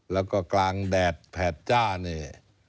แล้วก็กลางแดดแผดจ้าเนี่ย